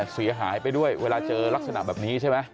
เสียหายไปด้วยเวลาเจอลักษณะแบบนี้ใช่ไหม